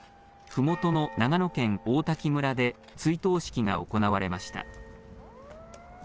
ふもとの長野県王滝村で追悼式が行われました。